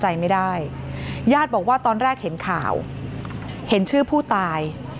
ใจไม่ได้ญาติบอกว่าตอนแรกเห็นข่าวเห็นชื่อผู้ตาย